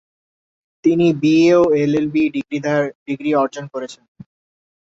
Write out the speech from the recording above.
তিনি বিএ ও LLB degree অর্জন করেছেন।